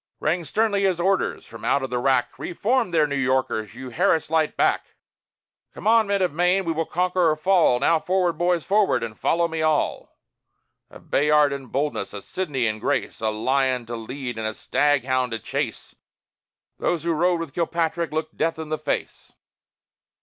Rang sternly his orders from out of the wrack: _Re form there, New Yorkers! You, "Harris Light," back! Come on, men of Maine! We will conquer or fall! Now, forward, boys, forward! and follow me all!_ A Bayard in boldness, a Sidney in grace, A lion to lead and a stag hound to chase Those who rode with Kilpatrick looked Death in the face!